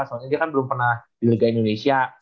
soalnya dia kan belum pernah di liga indonesia